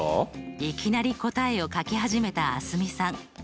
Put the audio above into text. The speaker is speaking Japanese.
いきなり答えを書き始めた蒼澄さん。